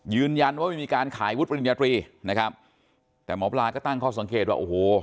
ยืนยันว่าไม่มีการขายวุฒิปริญญาตรีนะครับแต่หมอปลาก็ตั้งข้อสังเกตว่าโอ้โห